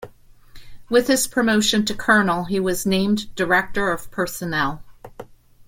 With his promotion to colonel, he was named director of personnel.